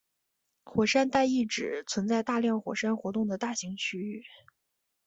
火山带意指存在大量火山活动的大型区域。